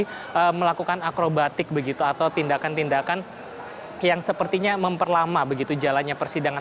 ini melakukan akrobatik begitu atau tindakan tindakan yang sepertinya memperlama begitu jalannya persidangan